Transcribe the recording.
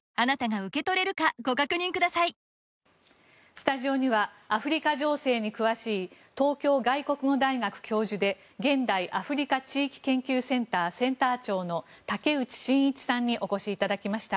スタジオにはアフリカ情勢に詳しい東京外国語大学教授で現代アフリカ地域研究センターセンター長の武内進一さんにお越しいただきました。